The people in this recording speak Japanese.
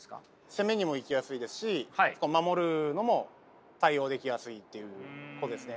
攻めにも行きやすいですし守るのも対応できやすいっていうことですね。